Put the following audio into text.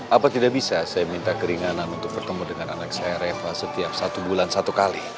apa tidak bisa saya minta keringanan untuk bertemu dengan anak saya reva setiap satu bulan satu kali